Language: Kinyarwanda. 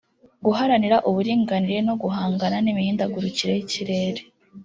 guharanira uburinganire no guhangana n’imihindagurikire y’ikirere